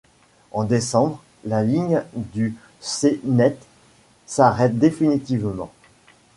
En décembre, la ligne du Cnet s'arrête définitivement.